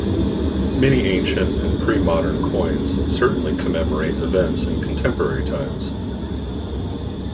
Many ancient and pre-modern coins certainly commemorate events in contemporary times.